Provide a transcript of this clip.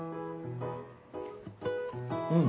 うん。